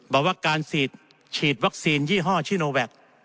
บอกว่าการฉีดวัคซีนยี่ห้อชิโนแวค